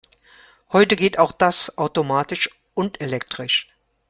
Heute geht auch das automatisch und elektrisch.